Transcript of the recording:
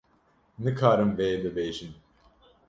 - Nikarim vê bibêjim.